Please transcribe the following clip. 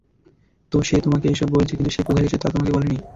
তো সে তোমাকে এইসব বলেছে কিন্তু সে কোথায় যাচ্ছে তা তোমাকে বলেনি?